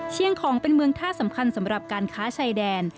ของเป็นเมืองท่าสำคัญสำหรับการค้าชายแดน